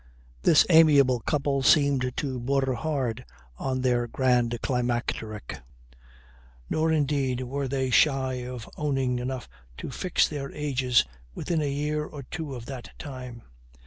This amiable couple seemed to border hard on their grand climacteric; nor indeed were they shy of owning enough to fix their ages within a year or two of that time.